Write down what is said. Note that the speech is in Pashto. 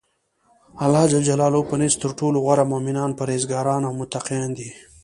الله ج په نزد ترټولو غوره مؤمنان پرهیزګاران او متقیان دی.